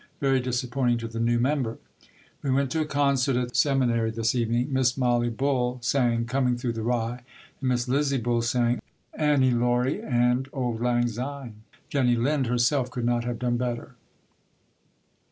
Very disappointing to the new member! We went to a concert at the Seminary this evening. Miss Mollie Bull sang "Coming Through the Rye" and Miss Lizzie Bull sang "Annie Laurie" and "Auld Lang Syne." Jennie Lind, herself, could not have done better.